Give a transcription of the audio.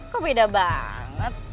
kok beda banget